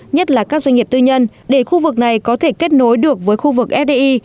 nhất là các doanh nghiệp tư nhân để khu vực này có thể kết nối được với khu vực fdi